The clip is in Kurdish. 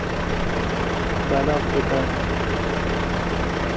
Belav dibe.